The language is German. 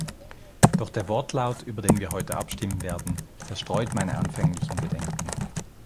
Doch der Wortlaut, über den wir heute abstimmen werden, zerstreut meine anfänglichen Bedenken.